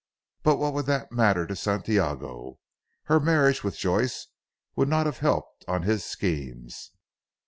But what would that matter to Santiago. Her marriage with Joyce would not have helped on his schemes."